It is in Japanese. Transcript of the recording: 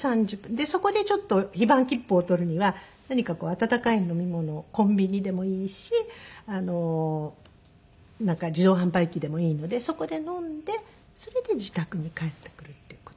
そこでちょっと日盤吉方を取るには何かこう温かい飲み物をコンビニでもいいしなんか自動販売機でもいいのでそこで飲んでそれで自宅に帰ってくるっていう事で。